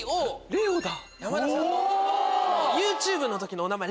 ＬＥＯだ。え！